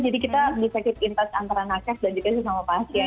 jadi kita bisa keep in touch antara nakesh dan juga sesama pasien